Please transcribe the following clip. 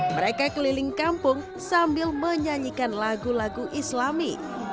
mereka keliling kampung sambil menyanyikan lagu lagu islami